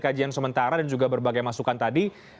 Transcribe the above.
kajian sementara dan juga berbagai masukan tadi